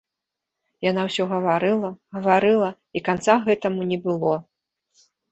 Яна ўсё гаварыла, гаварыла, і канца гэтаму не было.